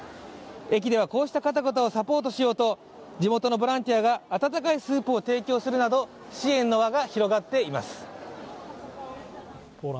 駅ではこうした方々をサポートしようと、地元のボランティアが温かいスープを提供するなど支援の輪が広がっています。